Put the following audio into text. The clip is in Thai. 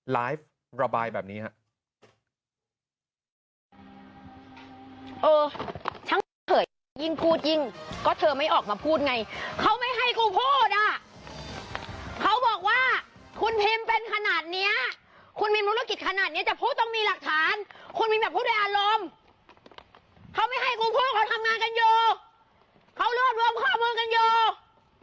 ไลฟ์ระบายแบบนี้ครับ